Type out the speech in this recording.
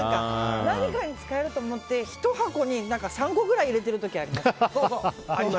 何かに使えると思って１箱に３個くらい入れてる時あります。